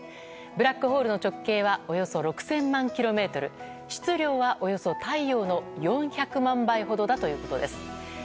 ブラックホールの直径はおよそ６０００万ｋｍ質量は太陽の４００万倍ほどだということです。